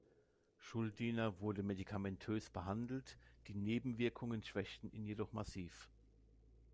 Schuldiner wurde medikamentös behandelt, die Nebenwirkungen schwächten ihn jedoch massiv.